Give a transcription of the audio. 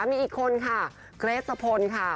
มีอีกคนค่ะเกรสสะพลค่ะ